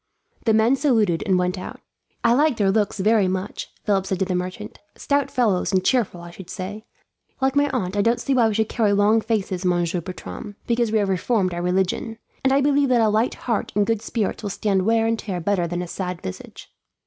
The men saluted and went out. "I like their looks much," Philip said to the merchant. "Stout fellows and cheerful, I should say. Like my aunt, I don't see why we should carry long faces, Monsieur Bertram, because we have reformed our religion; and I believe that a light heart and good spirits will stand wear and tear better than a sad visage."